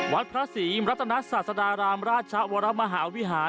วัดพระศรีรัตนศาสดารามราชวรมหาวิหาร